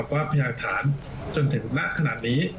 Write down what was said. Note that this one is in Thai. ว่าพยาธารจนถึงและขนาดนี้